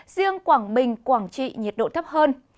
riêng quảng bình quảng trị nhiệt độ thấp hơn